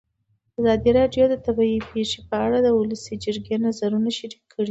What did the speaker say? ازادي راډیو د طبیعي پېښې په اړه د ولسي جرګې نظرونه شریک کړي.